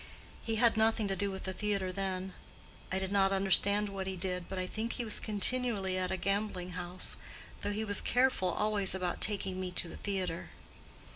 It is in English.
He had nothing to do with the theatre then; I did not understand what he did, but I think he was continually at a gambling house, though he was careful always about taking me to the theatre.